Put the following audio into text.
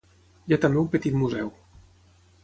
Hi ha també un petit museu.